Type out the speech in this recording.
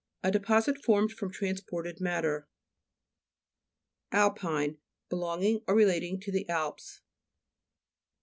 A deposit formed from transported matter, (p. 94.) ALPINE Belonging or relating to the Alps.